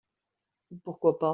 Pourquoi pas ?